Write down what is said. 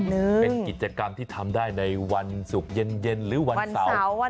เป็นกิจกรรมที่ทำได้ในวันศุกร์เย็นหรือวันเสาร์